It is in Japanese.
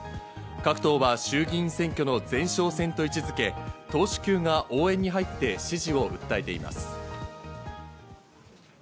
各党は衆議院選挙の前哨戦と位置付け、党首級が応援に入って支持を訴えています。